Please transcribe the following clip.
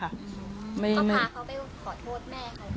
ก็พาเขาไปขอโทษแม่เขา